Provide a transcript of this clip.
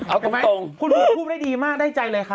เอากันไหมคุณพูดคูมได้ดีมากได้ใจเลยค่ะ